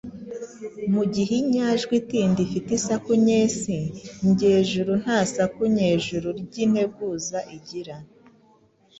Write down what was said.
Mu gihe inyajwi itinda ifite isaku nyesi ngejuru nta saku nyejuru ry’integuza igira.